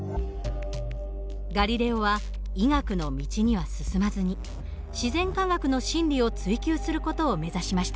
ガリレオは医学の道には進まずに自然科学の真理を追究する事を目指しました。